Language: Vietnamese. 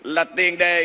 là tiền đề